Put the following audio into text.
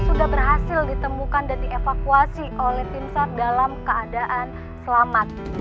sudah berhasil ditemukan dan dievakuasi oleh tim sar dalam keadaan selamat